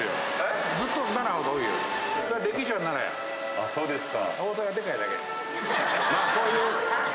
あそうですか。